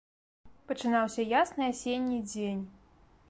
Пачынаўся ясны асенні дзень.